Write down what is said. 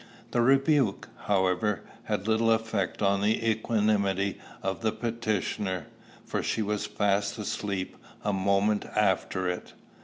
The rebuke, however, had little effect on the equanimity of the petitioner, for she was fast asleep a moment after it.